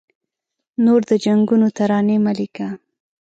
نور د جنګونو ترانې مه لیکه